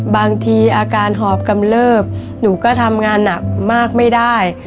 บางทีอาการหอบกำเลิบหนูก็ทำงานหนักมากไม่ได้